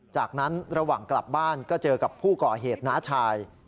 จากนั้นระหว่างกลับบ้านก็เจอกับผู้ก่อเหตุน้าชาย